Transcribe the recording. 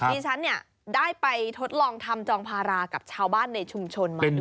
ดิฉันเนี่ยได้ไปทดลองทำจองภารากับชาวบ้านในชุมชนมาด้วย